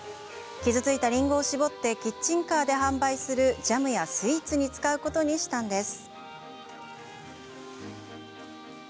傷ついたりんごを搾ってキッチンカーで販売するジャムやスイーツに使うことにしたのです。